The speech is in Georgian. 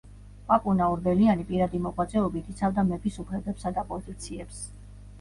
პაპუნა ორბელიანი პირადი მოღვაწეობით იცავდა მეფის უფლებებსა და პოზიციებს.